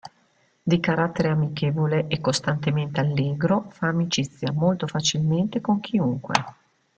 Di carattere amichevole e costantemente allegro, fa amicizia molto facilmente con chiunque.